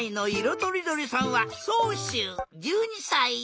とりどりさんはそうしゅう１２さい。